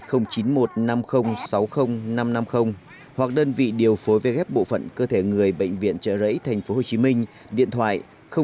hoặc đơn vị điều phối về ghép bộ phận cơ thể người bệnh viện trợ rẫy thành phố hồ chí minh điện thoại chín trăm một mươi ba sáu trăm bảy mươi bảy sáu mươi một